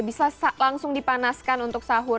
bisa langsung dipanaskan untuk sahur